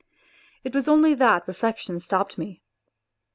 It was only that reflection stopped me.